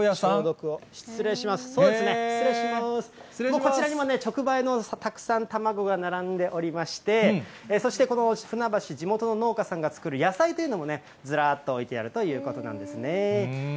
こちらにも直売の野菜が並んでおりまして、そしてこの船橋、地元の農家さんが作る野菜というのもずらーっと置いてあるということなんですね。